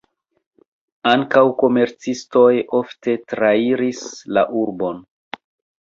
Ankaŭ komercistoj ofte trairis la urbon.